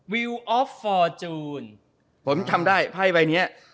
วิวออฟฟอร์จูนผมทำได้ไพ่ใบเนี้ย